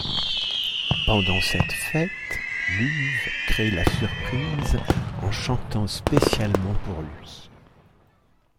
Pendant cette fête, Luv' crée la surprise en chantant spécialement pour lui.